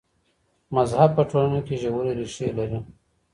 مذهب په ټولنه کي ژورې ريښې لري.